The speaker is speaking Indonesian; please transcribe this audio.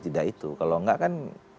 tidak itu kalau enggak kan